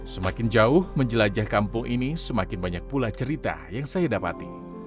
semakin jauh menjelajah kampung ini semakin banyak pula cerita yang saya dapati